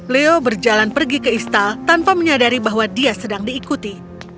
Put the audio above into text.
leo berjalan pergi ke istal tanpa menyadari bahwa dia sedang diikuti